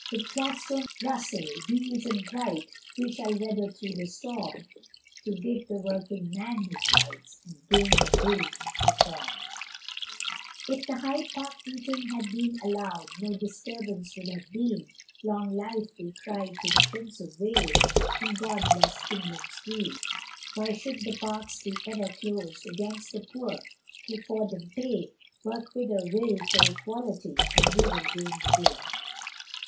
With Gladstone, Russell, Beales, and Bright We shall weather through the storm, To give the working man his rights, And gain the Bill, Reform. If the Hyde Park meeting had been allowed, No disturbance would have been. Long life, they cried, to the Prince of Wales, And God bless England's Queen! Why should the parks be ever closed Against the poor, who for them pay, Work with a will for equality, And you will gain the day.